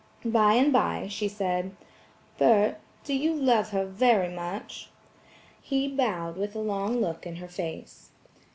By and by, she said: "Bert, do you love her very much?" He bowed with a long look in her face.